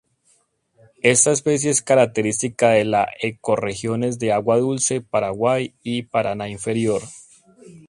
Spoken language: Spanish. Esta especie es característica de la ecorregiones de agua dulce Paraguay y Paraná inferior.